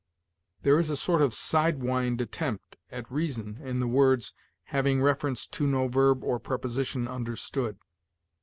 There is a sort of side wind attempt at reason in the words, 'having reference to no verb or preposition understood.'